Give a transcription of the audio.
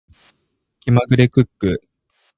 気まぐれクック